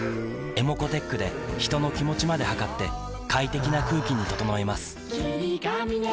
ｅｍｏｃｏーｔｅｃｈで人の気持ちまで測って快適な空気に整えます